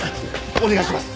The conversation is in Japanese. お願いします！